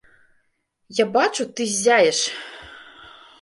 Я бачу, ты ззяеш.